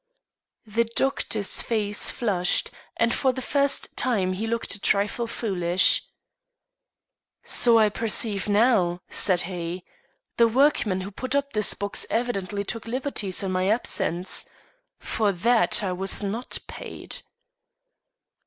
The doctor's face flushed, and for the first time he looked a trifle foolish. "So I perceive now," said he, "The workman who put up this box evidently took liberties in my absence. For that I was not paid."